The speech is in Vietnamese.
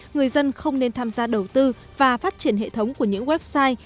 người dân không nên tham gia đầu tư và phát triển hệ thống của những website